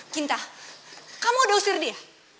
ginta kamu udah usir dia